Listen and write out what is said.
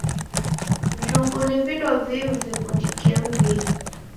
Njugu ni vindo vimu vikundikie m'mbinyi.